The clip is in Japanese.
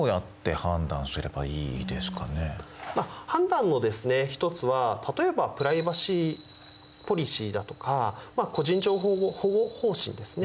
判断の一つは例えばプライバシーポリシーだとか個人情報保護方針ですね。